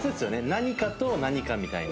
何かと何かみたいな。